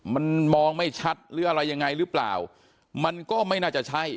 มันมองไม่ชัดหรืออะไรยังไงหรือเปล่ามันก็ไม่น่าจะใช่